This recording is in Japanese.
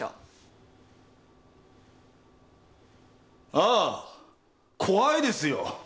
ああ怖いですよ！